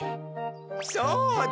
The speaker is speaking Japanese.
そうだ！